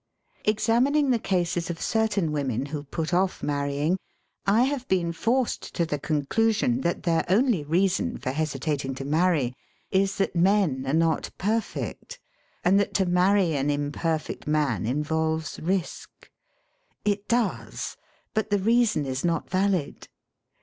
Examining the cases of certain women who put off marrying, I have been forced to the conclusion that their only reason for hesitating to marry is that men are not perfect, and that to marry an imperfect man involves risk. It does, but the reason is not valid.